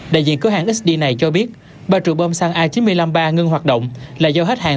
đại diện cửa hàng xd này cho biết ba trụ bơm xăng a chín mươi năm ba ngưng hoạt động là do hết hàng